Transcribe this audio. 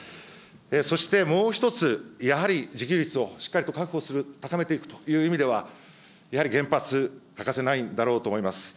そしてもう一つ、やはり自給率をしっかりと確保する、高めていくという意味では、やはり原発、欠かせないんだろうと思います。